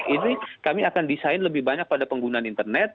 ini kami akan desain lebih banyak pada penggunaan internet